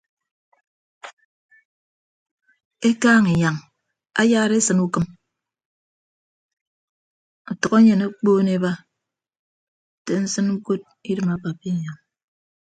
Ekaaña inyañ ayara esịne ukịm ọtʌk enyen okpoon eba nte nsịn ukot idịm akappa inyañ.